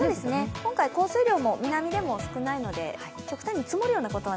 今回降水量も南でも少ないので、極端に積もるようなことは